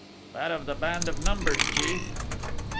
"That of the band of Numbers, chief."